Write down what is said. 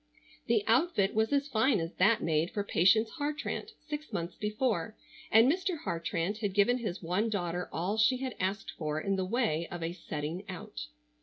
The outfit was as fine as that made for Patience Hartrandt six months before, and Mr. Hartrandt had given his one daughter all she had asked for in the way of a "setting out."